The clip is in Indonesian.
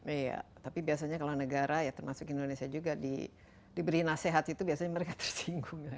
iya tapi biasanya kalau negara ya termasuk indonesia juga diberi nasihat itu biasanya mereka tersinggung